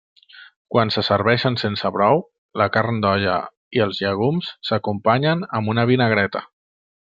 Quan se serveixen sense brou, la carn d'olla i els llegums s'acompanyen amb una vinagreta.